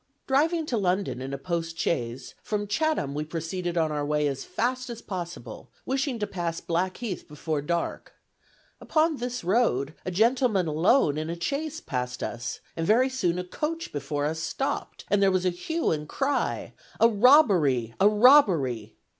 Driving to London in a post chaise, "from Chatham we proceeded on our way as fast as possible, wishing to pass Blackheath before dark. Upon this road, a gentleman alone in a chaise passed us, and very soon a coach before us stopped, and there was a hue and cry, 'A robbery, a robbery!'